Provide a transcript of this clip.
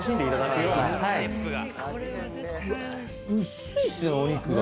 薄いっすねお肉が。